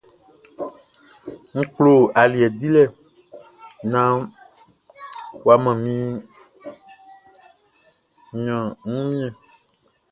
N klo aliɛ dilɛ naan ɔ mʼan mi ɲan wunmiɛn.